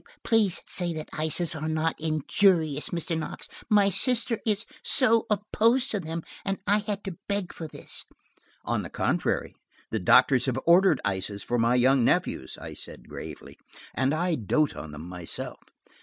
Please say that ices are not injurious, Mr. Knox. My sister is so opposed to them and I had to beg for this." "On the contrary, the doctors have ordered ices for my young nephews," I said gravely, "and I dote on them myself."